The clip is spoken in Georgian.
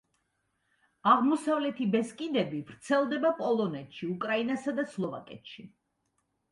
აღმოსავლეთი ბესკიდები ვრცელდება პოლონეთში, უკრაინასა და სლოვაკეთში.